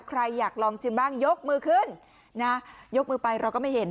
ใครอยากลองชิมบ้างยกมือขึ้นนะยกมือไปเราก็ไม่เห็น